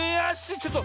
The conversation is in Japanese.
ちょっと。